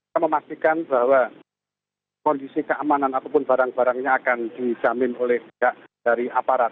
kita memastikan bahwa kondisi keamanan ataupun barang barangnya akan dijamin oleh pihak dari aparat